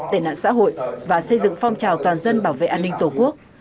tệ nạn xã hội và xây dựng phong trào toàn dân bảo vệ an ninh tổ quốc